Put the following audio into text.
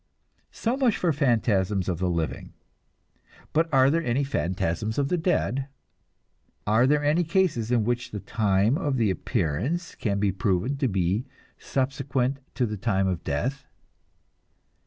So much for phantasms of the living. But are there any phantasms of the dead? Are there any cases in which the time of the appearance can be proven to be subsequent to the time of death?